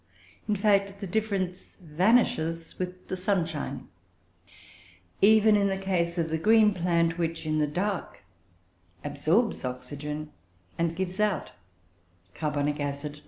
In fact, the difference vanishes with the sunshine, even in the case of the green plant; which, in the dark, absorbs oxygen and gives out carbonic acid like any animal.